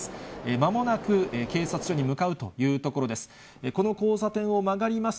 まもなく警察署に向かうというところです。